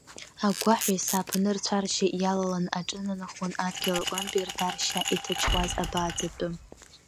Агәгәаҳәа ес-ааԥны рцәа-ржьы иалалан аҿынанахон адгьыл аҟынтәи рда-ршьа иҭачуаз абааӡатәы.